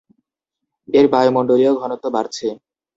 এর বায়ুমণ্ডলীয় ঘনত্ব বাড়ছে।